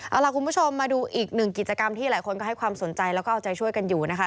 เอาล่ะคุณผู้ชมมาดูอีกหนึ่งกิจกรรมที่หลายคนก็ให้ความสนใจแล้วก็เอาใจช่วยกันอยู่นะคะ